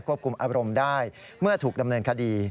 คุมอารมณ์ได้เมื่อถูกดำเนินคดี